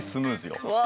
うわ！